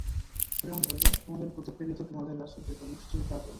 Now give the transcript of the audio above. ফিরআউন বলল, তোমাদের প্রতি প্রেরিত তোমাদের রাসূলটি তো নিশ্চয়ই পাগল।